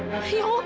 mas iksan tunggu ma